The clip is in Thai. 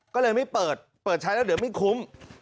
ก็เลยไม่เปิดเปิดใช้แล้วเดี๋ยวไม่คุ้ม